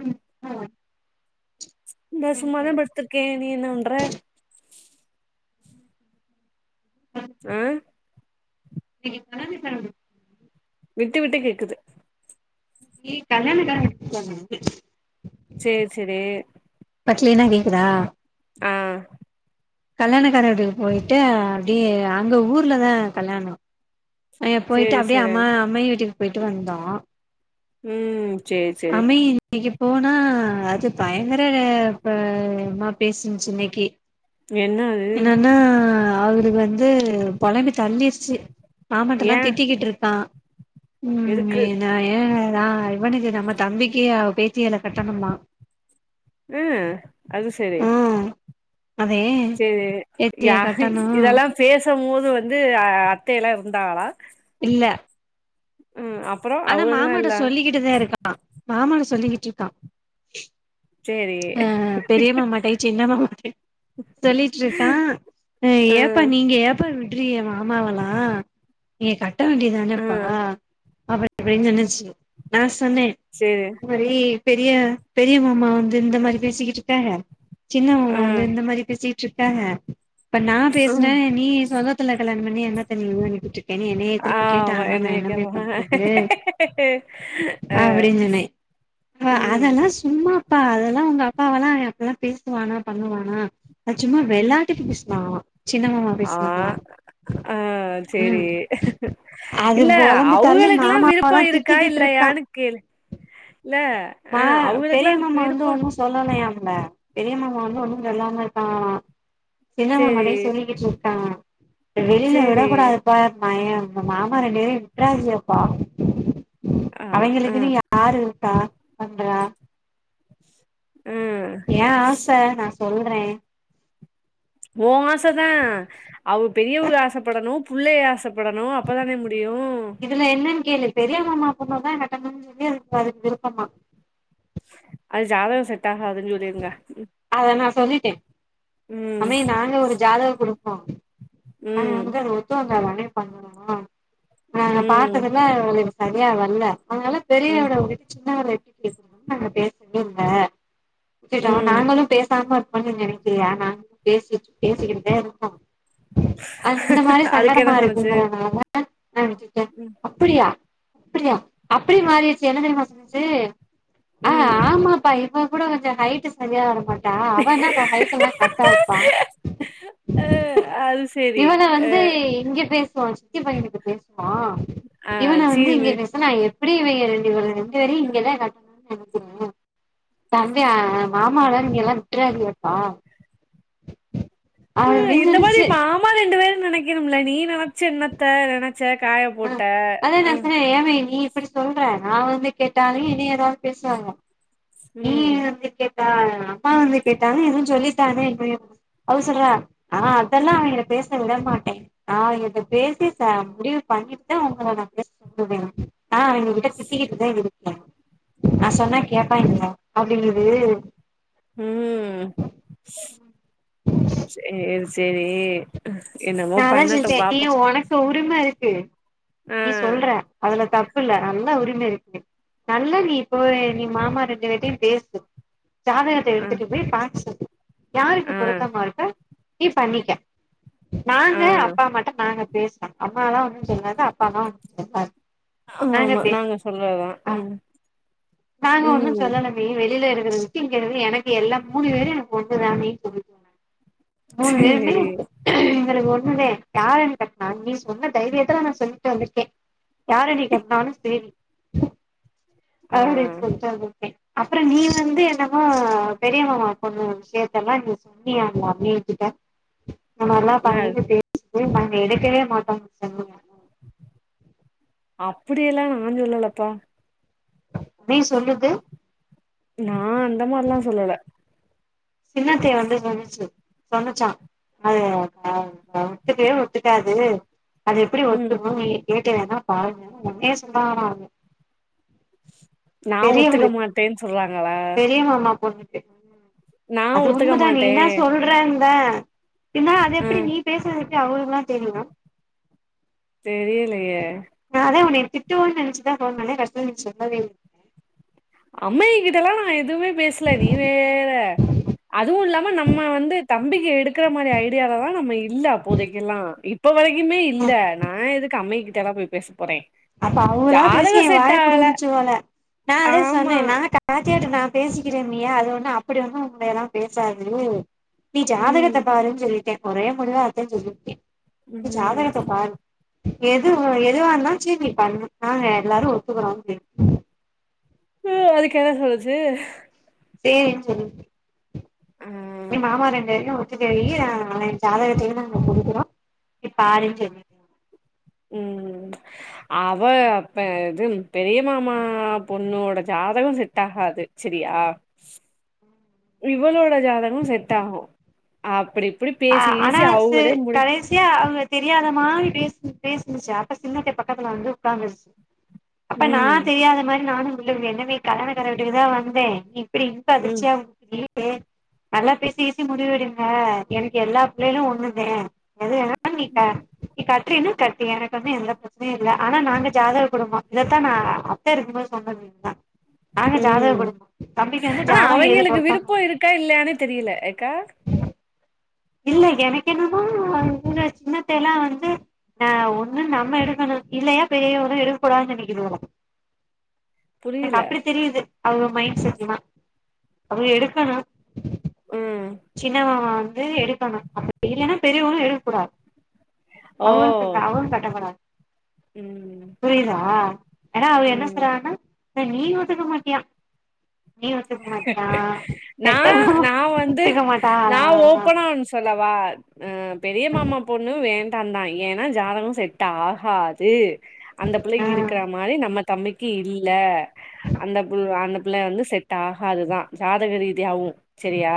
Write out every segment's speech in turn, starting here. ம் ம் இந்த சும்மாதா படுத்திருக்கே நீ என்ன பண்ற ஆ [unintelligible] விட்டு விட்டு கேக்குது நீ கல்யாண [unintelligible] சேர் செரி இப்ப க்ளீனா கேக்குதா ஆ கல்யாணக்கார வீட்டுக்கு போயிட்டு அப்டியே அங்க ஊர்லதா கல்யாணோ அயே போயிட்டு சேரி அப்டியே சேரி அம்மா அம்மாயு வீட்டுக்கு போய்ட்டு வந்தோ ம் சேரி சேரி அம்மை இன்னிக்கி போனா அது பயங்கர அ ப ம பேசின்ச்சு இன்னைக்கி என்ன அது என்னன்னா அவரு வந்து பொழம்பி தள்ளிடுச்சு மாமட்டல்லா ஏ திட்டிக்கிட்டு இருக்கா எதுக்கு உன்மதா ஏ ஆ இவனுக்கு நம்ம தம்பிக்கு அவ பேத்திய நா கட்டணுமா ம் அது செரி ம் அதே செரி ஏத்திய யார் கட்டணு இதெல்லா பேஸ் போது வந்து அ அத்தைய எல்லா இருந்தாங்கலா இல்ல ம் அப் ஆனா மாமட்ட சொல்லிக்கிட்டுதா இருக்கா மாமட்ட சொல்லிட்டு இருக்கா சேரி ஆ பெரிய மாமாட்டே சின்னமாமாட்டே சொல்லிட்டு இருக்கா அ ஏப்பா ம் நீங்க ஏப்பா திட் ரிங்க மாமாவளா நீங்க க கட்ட வேண்டியதானேப்பா ம் அப் அப்படியே நினுச்சு நா சொன்ன சேரி இந்த மாரி பெரிய பெரிய மாமா வந்து இந்த மாறி பேசிட் இருக்காக சின்ன மாமா வந்து ம் இந்த மாரி பேசிட் ச்சிட் இருக்காஹ இப்ப நா ம் பேசனே நீ சொதப் சொந்ததுல கல்யாண பண்ணி என்னாத்த வேலங்கிடுச்சு என்ன திருப்பி ஆமா கேட்டகனா நா என்னைய என்னமே கேப்பாங்க பண்றது ஆ அப்படின்னு சொன்னே ஆ ம் அதெல்லா சும்மா அதெல்லாம் உங்க அப்பாவெல்லா அப்பல்லா அப்டியா பேசுவானா பண்ணுவானா சும்மா விளையாட்டுக்கு பேசனாங்கள ஆ ஆ செரி ம் அது இல்ல பொலம்பி தள்ளி அவங்களுக்கெல்லா மாமாவெல்லா விருப்பம் இருக்கா திட்டிக்கிட்டு இருக்கா இல்லயானு கேள் இல்ல அ அவங்கக்கெல்லா நம்ம வந்து ஒண்ணு சொல்லலையா பெரிய மாமா வந்து ஒண்ணு சொல்லாம இருக்காங்கலா சின சேரி மாமாட்டையு சொல்லிக்கிட்டு இருங்கானா வெளியில சேரி விடக் கூடாதுப்பா பயம் உங்க மாமா ரெண்டு பேரையு விட்டுறாதிங்கப்பா ஆ ஆ அவேங்களுக்கு நீ யாரு பா பண்றா ஆ ஏ ஆச நா சொல்றே ஓ ஆசதா அவ பெரியவக ஆசப்படணு புள்ளஹெ ஆசப்படணு அப்பதானே மு டியூ கே பெரியா மாமா பொண்ணதா கட்டனுன் சொல்லி அதுக் இப்ப விருப்பமா அது ஜாதக செட் டாகாதுன் சொல்லிருங்க அத நா சொல்லிட்டே ம் அமே நாங்க ஒரு ஜாதக் குடுப் போ ஆ ம் அங்க அத ஒத்து வந் தாதானே பண்ணனு நா ம் பாத்ததுல்ல [unintelligible] யா வல்ல அதனால ம் பெரியவட உட்டுட்டு சின்னவர இட்டுட் [unintelligible] நாங்க பேசவே இல்ல [unintelligible] ம் நாங்களு பேசாம இருப்போனு நீ நனக்கிறியா நா பேசிட் பேசிக்கிட்டுதா இருக்கோ அந்த மாரி அதுக்கு என்ன சங்கடமா சொன்னுச்சு இருக்குங்கறனால நா விட்டுட்ட ம் அப்படியா அப்பிறியா அப்டி மாறிச்சி என்ன தெரியுமா சொன்னிச்சி ஆ ம் ஆம்மாப்பா இப்போ கூட கொஞ்ச ஹைட்டு சரியா வரமாட் டா அவனா ஹைட்டெல்லா கரெட்டா டா ஆ அது சேரி இவன வந்து ஆ இங்க ஃபேஸ்வாஷ் சித்தி பையங்கிட்ட பேஸ் வா ஆ இவன வந்து சீவு இங்க பேஸ்னா ஏத் அப்பிடி இவெங்கெ ரெண்டு பேர ரெண்டு பேரயும் இங்கதா கட்டணுன் நெனக்கிற தம்பி ஆஹ் மாமா எல்லாறியு இங்கெல்லா விட்றாதிகப்பா ம் இந்த மாரி சொல்லுச்சு மாமா ரெண்டு பேரு ம் நெனக்கினும்ல நீ நெனச்சி என்னத்த நென ஆ அதா நா சொன்னே ஏங்க நீ இப்டி சொல்ற நா வந்து கேட்டாலு என்ய ஏதாவது பேசுவாங்க நீ ம் வந்து கேட் டா அம்மா வந்து கேட்டானே எதுவு சொல்லிட்டானே [unintelligible] அவ சொல்றா அ அதெல்லா அவெய்ங்கள பேச விட மாட்டே நா அவெய்ங்கிட்ட பேசி ச முடிவு பண்ணிட்டு தா அவங்கள நா பேச உடுவே அ எங்க கிட்ட திட்டிகிட்டு தா இரு நா சொன்னா கேப்பாய்ங் [inaudible] அப்படிங்குது ம் ஸ் [unintelligible] செரி நா அதா சொல்டே நீ ஒனக்கு உ ரிம இருக்கு ஆ நீ சொல்ற அதுல தப்பு இல்ல நல்லா உரிம இருக்கு நல்லா நீ இப்போ நீ மாமா ரெண்டு வேர்ட்டையு பேசு ஜாதகத்த ஆ எடுத்துட்டு போய் பாக் சொல்லு யாருக்கு ஆ பொருத்தமாருக்கோ நீ பண்ணிக்க ஆ நாங்க அப்பா அம்மா ட நாங்க பேஸ்றோ அம்மாலா ஒன்னு சொல்லாது அப் [inaudible] ஆமாமா நாங்க பேசிக்கிறோ சொல்றதா ஆ ம் நாங்க ஒன்னு ம் சொல்லல பி வெளில இருக் [unintelligible] எனக்கு எல்லா மூணு பேரு எனக் ஒண்னு தான் [inaudible] மூனு பேருமே சேரி எனக் ஒன் [unintelligible] யார நீ கட்னாலூ நீ சொன்ன தைரியத்துல நா சொல்டு வந்துர்க்கே யார நீ கட்னாலு சேரி ஆ ஆப்டின் சொல்ட்டு வந் தே அப்புற நீ வந்து என்னமோ பெரியமாமா பொண்ணு விஷயத்தெல்லா நீ சொன்னியாமே அண்ணிங்ககிட்ட இந்த மாரிலா நா பண்ணது தெ [inaudible] து நாங்க எடுக்கவே மாட்டோ [inaudible] சொல்லுவாங்க அப்படியெல்லா நா சொல்லலப்பா மீ சொல்லுது நா நா அந்த மார்ல்லா சொல்லல சின்னத்தைய வந்து சொன்னுச்சு சொன்னுச்சா அது [inaudible] ஒத்துக்கவே ஒத்துக்காது அது எப்படி ம் ஒத்துரு [unintelligible] கேட்டு வேனா பாருங்க [unintelligible] நா ஒத்துக்க பெரியவளுக்கு மாட்டேன் சொல்றாங்களா ஆமா நா அது ஒத்துக்க உண்மதா நீ மாட்டே என்னா சொல்ற ஆ ஏன்னா அது ஆ எப்படி நீ பேசுனது எப்டி அவுங்ளுக்லா தெரியு தெரியலையே நானே உன்னய திட்டுவோனு நெனைச்ச ஃபோன் பண்ணே கட்சில நீ சொல்லவே இல்ல அம்மாயி கிட்ட எல்லா நா எதுமே பேசுல நீ வேற அதுவு இல்லாம நம்ம வந்து தம்பிக்கு எடுக்கற மாரி ஐடியாலல்லா நம்ம இல்ல அப்போதைக்கெல்லா இப்போ வரைக்குமே இல்ல நா எதுக்கு அம்மயிகி என்ன போய் பேச போறேன். அப்ப அவுங்களா பேசி எ ஜாதகம் செட் வாய ஆகல. புடுங்க வச்சுருவாங்க அ அதே ஆமா. சொன்னே நானு கார்த்திகாட்ட பேசிக்கிறனியா அது ஒண்ணு அப்பிடி ஒண்ணு உங்கள எல்லா பேசாது நீ ம். ஜாதகத்த பாருன்னு சொல்லிட்டே ஒரே முடிவா அதே சொல்லிருக்கே இந்த ம். ஜாதகத்த பாரு எது எதுவாருந்தாலு [unintelligible] எல்லாரு ஒத்துக்கறோ அதுக்கு என்ன சொல்லுச்சு சேரினு சொல்லுச்சு ஆ. எ மாமா ரெண்டேயு [unintelligible] எ ஜாதகத்தையு நாங்க குடுக்குறோ நீ பாருன் சொன்னே ம் அவ அப்ப இது பெரிய மாமா பொண்ணோட ஜாதக செட் ஆகாது சரியா இவளோட ஜாதக செட் ஆகு அப்பிடி அ ஆனா ச கடைசியா அவுங்க தெரியாத மாரி பேசி பேசி ருந்துச்சு அப்ப சின்னத்த பக்கத்துல வந்து உக்காந்துருச்சு அப்ப நா ம். தெரியாத மாரி நானு சொல்லுங்க என்னவே கல்யாண கார வீட்டுக்குதா வந்தே ஒரே இன்ப ம். அதிர்ச்சியாவு இருக்குது சேர் நல்லா பேசி கீசி முடிவெடுங்க எனக்கு எல்லா பிள்ளைகளு ஒண்ணுதே எது வேனாலு நீ நீ கட்டறேனா கட்டு எனக்கு ஒன்னு எந்த பிரச்சனையு இல்ல ஆனா நாங்க ஜாதக குடும்போ இதத்தா நா அத்த இருக்கும்போது சொன்னது இதா ம் வந்து ஆனா ஜாதகோ எது அவய்ங்களுக்கு பொருத்தமா விருப்ப இருக்கோ இருக்கா இல்லையானே தெரியல ஏக்கா உ ஹூ எனக்கு என்னமோ சின்னத்த எல்லா வந்து அ ஒண்ணு நம்ம எடுக்கணு இல்லையா பெரியவக எடுக்கக்கூடாதுனு [unintelligible] எனக்கு புரியல அப்பிடி தெரியுது அவங்க மைண்ட் செட்டுல்லா அவுங்க எடுக்கணு ம் சின்னமாமா [unintelligible] ஓ அவங்களுக்கு [unintelligible] ம் புரியுதா ஏனா அவ என்ன ம் [unintelligible] அ நீ ஒத்துக்க மாட்டியா நீ ஒத்துக்க மாட்டியா நா நா பெத்தவங்கே வந்து நா ஓப்னா ஒன் சொல்லவா அ பெரிய மாமா பொண்ணு வேண்டாந்தான் ஏன்னா ஜாதகோ செட் ஆகாது அந்த ஆ பிள்ளைக்கி இருக்குற மாரி நம்ம தம்பிக்கு இல்ல அந்த பிள் அந்த பிள்ளை வந்து செட் டாகாது தா ஜாதக ரீதியாவு செரியா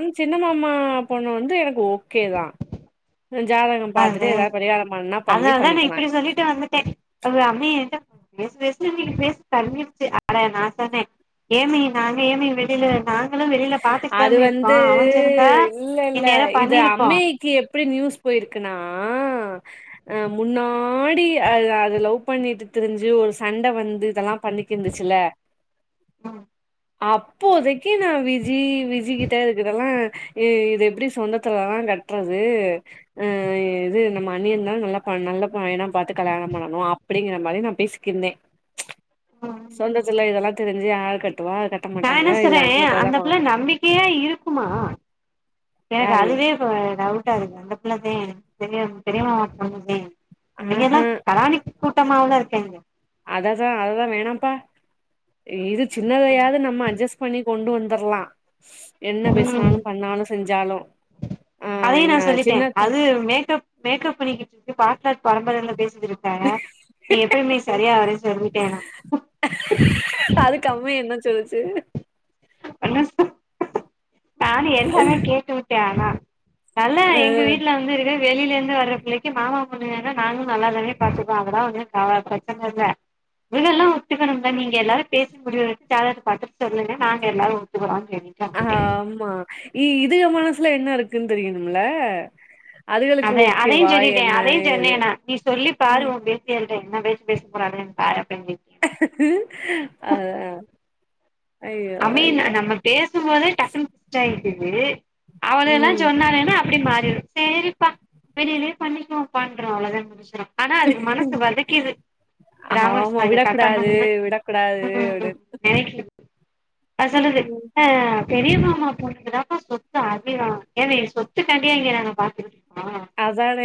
ஆன் சின்ன மாமா பொண்ணு வந்து எனக்கு ஓகே தா ஜாதகம் பாத்துட்டு அதே ஏதாவது பரிகாரம் பண்ணா பண்ணி அதனால தா நா பண்ணிக்கலா இப்பிடி சொல்லிட்டு வந்துட்டேன் ஒரு அம்மிய என்ட்ட பேசு பேசு இன்னிக்கி [unintelligible] நா தானே ஏமி நாங்க ஏமி வெளில அது வந்து அவஞ்சிருந்தா இல்ல இல்ல இந்நேரோ இது பண்ணிருப்போ அம்மேய்க்கு எப்பிடி நியூஸ் போயிருக்குன்னா ஆ அ முன்னாடி அது அது லவ் பண்ணிட்டு தறிஞ்சு ஒரு சண்ட வந்து இதல்லா பண்ணிக்கிந்துச்சுல்ல ம் அப்போதைக்கி நா வீட் ஜி விஜிகிட்ட இதுக்கு இதல்லா இ இது எப்பிடி சொந்தத்துல தா கட்றது அ அ இது நம்ம அண்ணி இருந்தாலும் நல்லா அப்பறோ நல்ல பையனா பாத்து கல்யாணோ பண்ணணு அப்புடிங்கிற மாரி நா பேசிக்கிருந்தே சொந்தத்துல இதெல்லாம் தெரிஞ்சு ஆள் கட் ட்டுவா கட்ட மாட்டாங்க இது [unintelligible] போவாங் டியா இருக்குமா எனக்கு யாரு அதுவே இப்ப டவுட்டா இருக்கு அந்தப் வள தே பெரியம் பெரியம்மாவோட பொண்ணுதே ஆஹ அங்கேயெல்லாம் [unintelligible] ட்டமாவுல இருக்காங்க அத்தாசா அதுதா வேணாம்ப்பா இது சின்னதையாவது நம்ம அட்ஜஸ்ட் பண்ணி கொண்டு வந்துர்லா ம் ஆ அதையும் நா சொல்லிட்டே சின்னத்த அது மேக்கப் மேக்கப் பண்ணிக்கிட்ருக்கு பா சார் பரம்பரலே பேசிதுருக்கே நீ எப்பயுமே செரியா வரு சொல்லிட்டே நா அதுக்கு அம்மா [unintelligible] [unintelligible] நானு எல்லாமே கேட்டுவிட் அ னா நல்ல அ எங்க வீட்ல வந்து வெளிலிந்து வர்ற பிள்ளைக்கு மாமா பொண்ணு நாங நல்லாதானே பாத்துப்போ அவதா வந்து [unintelligible] ம ஒத்துக்கணு நீங்க எல்லாரு பேசி முடிவு [unintelligible] பத்து சொல்லுங்க நாங்க எல்லாரு ஒத்துக்கறோ ஆமா இ இது மனசுல என்ன இருக்குன்னு தெரியனும்ல அத்த அதையு சொல்லட்டே அதையு ஏது சொன்ன நீ சொல்லி பாரு பேதியலுக் என்ன பேச்சு பேச போறங்க பாரு அப்டின்னு சொல்லிட்டே ஆ ஆ அம்மி நா நம்ம பேசும்போதே டக்குன்னு [unintelligible] இது அவன எல்லா ம் சொன்னாங்னா அப்டி மாத் சேரிப்பா வெளிலே பண்ணிபோ பண்றோ அவ்ளோதா விஷ்யோ ஆனா அதுக்கு மனசு வதிக்குது ஆமா விடக்கூடாது விடக்கூடாது அப்டின்னு [unintelligible] அ சொல்லுது ம் ஆ பெர்யமா ம்மா போனதுதாப்ப சொத்து அதிகோ ஏன்டி சொத்துக்காண்டியா இங்க நாங்க பாத்துக் அதானே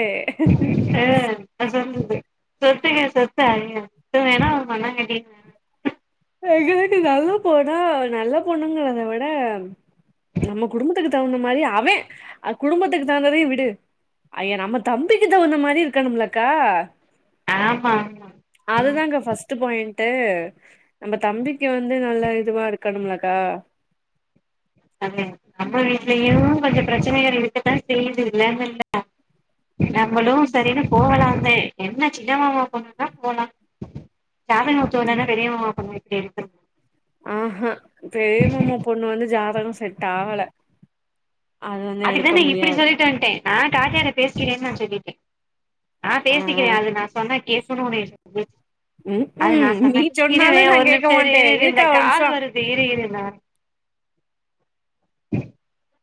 சொத்துக்க சொத்து ஆயி த்து வேணா மண்ணாகட்டியு வேணா நல்லா போனா நல்ல பொண்ணுங்கிறதவிட நம்ம குடும்பத்துக்கு தகுந்த மாரி அவ்வே குடும்பத்துக்கு தகுந்ததையு விடு அய்யே நம்ம தம்பிக்கு தகுந்த மாரி இருக்கணுமல்லகா ஆமா ஆமா ம் அதுதாங்க ஃபஸ்ட் பாயிண் ட்டு நம்ம தம்பிக்கு வந்து நல்ல இதுவா இருக் க்கனுமல்லக்கா [unintelligible] நம்ப வீட்லயு கொஞ்சோ பிரச்சனைகள் இருக்கதா செய்து இல்லணு இல்ல நம்மளு செரின்னு போகலாதே என்ன சின்னமாவா போணாதா போலா சாதகோ ஒத்து வந்தா என்ன பெரியமா போய் [unintelligible] செரிக்கா ஆ ஹ பெரியமாமா பொண்ணு வந்து ஜாதகோ செட் ஆகல அது வந்து எடுக்க அதுக்குதானே இப்பிடி முடியாது சொல்ட்டு வன்டே ஆ [unintelligible] பேசு சேரி என்னாச்சு இப்டி இர்கே ஆ பேசிக்கிறே அது நா சொன்னா கேக்கணுனு ம் அது நா ம் நீ சொன்னா இருவே சொன்னாலு நா ஒரு கேக்க நிம்சோ இரு மாட்டே இரு இரு இந்த இருக்கா ஒரு கால் நிமிஷோ வருது இரு இரு நா [unintelligible]